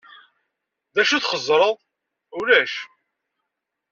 D acu txeẓẓreḍ? Ulac.